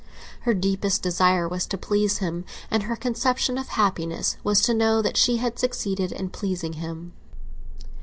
Her deepest desire was to please him, and her conception of happiness was to know that she had succeeded in pleasing him.